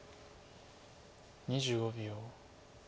２５秒。